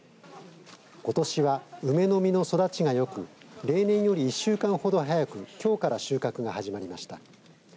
ことしは、梅の実の育ちがよく例年より１週間ほど早くきょうから収穫が始まりました。